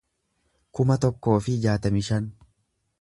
kuma tokkoo fi jaatamii shan